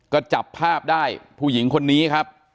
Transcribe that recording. ก็จับภาพได้ผู้หญิงคนนี้ครับ